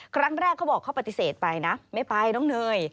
ครั้งแรกเขาบอกเขาปฏิเสธไปนะไม่ไปน้องเนย